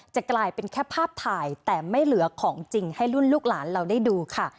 จะกลายเป็นแค่ภาพถ่ายแต่ไม่เหลือของจริงให้รุ่นลูกหลานเราได้ดูค่ะ